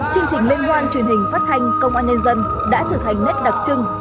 chương trình liên hoan truyền hình phát thanh công an nhân dân đã trở thành nét đặc trưng